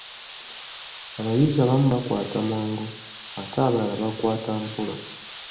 Abayizi abamu bakwata mangu, ate abalala bakwata mpola.